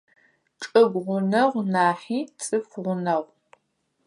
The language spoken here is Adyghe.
Чӏыгу гъунэгъу нахьи цӏыф гъунэгъу.